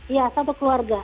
iya satu keluarga